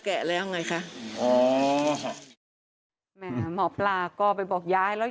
แต่มาที่นี่คือรู้สึกดีขึ้นใช่ไหม